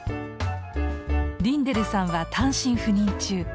リンデルさんは単身赴任中。